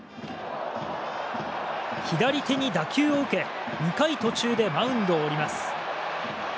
左手に打球を受け２回途中でマウンドを降ります。